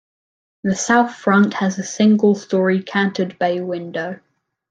The south front has a single-storey canted bay window.